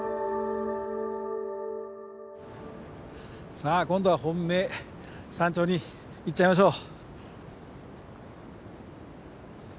さあ今度は本命山頂に行っちゃいましょう。